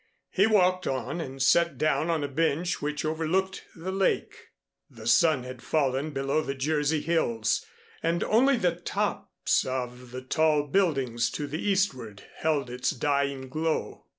He walked on and sat down on a bench which overlooked the lake. The sun had fallen below the Jersey hills and only the tops of the tall buildings to the eastward held its dying glow.